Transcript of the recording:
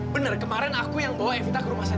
bener kemarin aku yang bawa evita ke rumah sakit